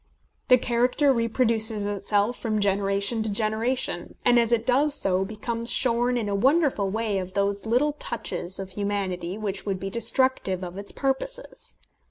The character reproduces itself from generation to generation; and as it does so, becomes shorn in a wonderful way of those little touches of humanity which would be destructive of its purposes.